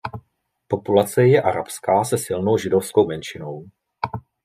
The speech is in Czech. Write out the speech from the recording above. Populace je arabská se silnou židovskou menšinou.